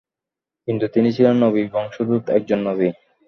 কিন্তু তিনি ছিলেন নবী বংশোদ্ভূত একজন নবী।